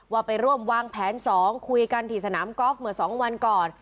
ว่าไปร่วมวางแผน๒คุยกันที่สนามกอล์ฟเมื่อ๒วันก่อน